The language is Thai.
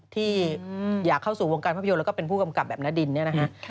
ที่อยากเข้าสู่วงการภาพยนตร์แล้วก็เป็นผู้กำกับแบบณดินเนี่ยนะฮะ